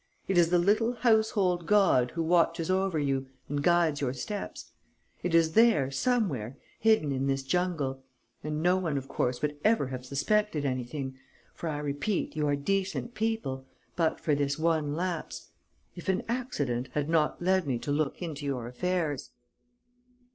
It is the little household god who watches over you and guides your steps. It is there, somewhere, hidden in this jungle; and no one of course would ever have suspected anything for I repeat, you are decent people, but for this one lapse if an accident had not led me to look into your affairs."